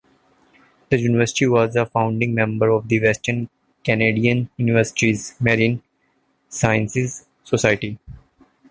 The university was a founding member of the Western Canadian Universities Marine Sciences Society.